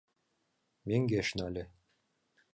Мӧҥгеш нале.